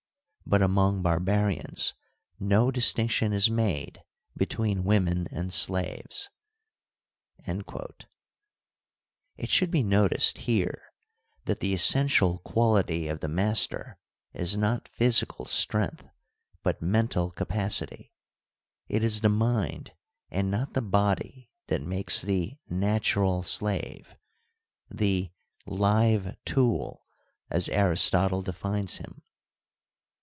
But among barbarians no distinction is made between women and slaves. It should be noticed here that the essential quality of the master is not physical strength, but mental capacity ; it is the mind and not the body that makes the ' natural ' slave, the ' live tool,' as Aristotle defines him.